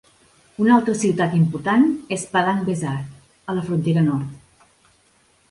Una altra ciutat important és Padang Besar, a la frontera nord.